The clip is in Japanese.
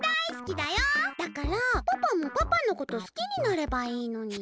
だからパパもパパのこと好きになればいいのに。